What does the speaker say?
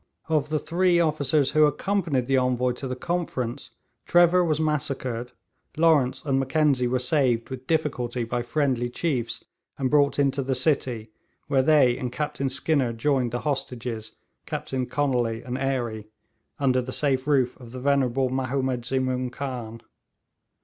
Of the three officers who accompanied the Envoy to the conference, Trevor was massacred, Lawrence and Mackenzie were saved with difficulty by friendly chiefs, and brought into the city, where they and Captain Skinner joined the hostages, Captains Connolly and Airey, under the safe roof of the venerable Mahomed Zemaun Khan.